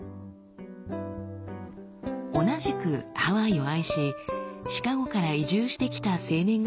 同じくハワイを愛しシカゴから移住してきた青年がいました。